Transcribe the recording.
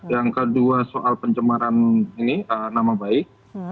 yang kedua soal pencemaran ini nama baik